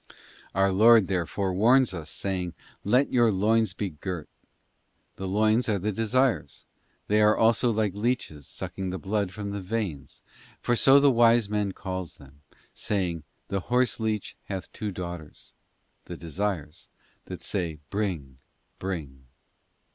Our Lord, therefore, warns us, saying, 'Let your loins be girt..t The loins are the desires; they are also like leeches sucking the blood from the veins, for so the wise man calls them, saying, 'The horse leech hath two daughters,' the desires, ' that say, bring, bring.